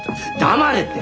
黙れって！